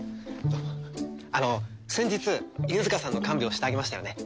あの先日犬塚さんの看病してあげましたよね？